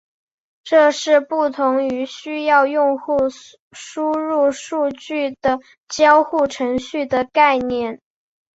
这是不同于需要用户输入数据的交互程序的概念。